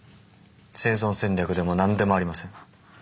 生存戦略でも何でもありません。